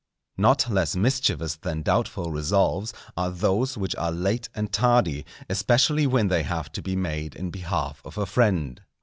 Not less mischievous than doubtful resolves are those which are late and tardy, especially when they have to be made in behalf of a friend.